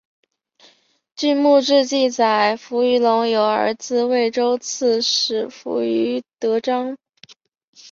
据墓志记载扶余隆有儿子渭州刺史扶余德璋。